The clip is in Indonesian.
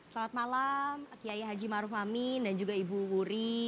selamat malam kiai haji maruf amin dan juga ibu wuri